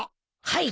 はい。